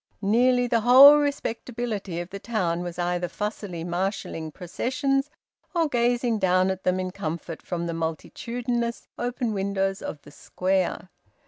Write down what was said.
Nearly the whole respectability of the town was either fussily marshalling processions or gazing down at them in comfort from the multitudinous open windows of the Square.